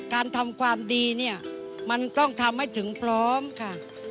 การทำความดีเนี่ยมันต้องทำให้ถึงพร้อมค่ะ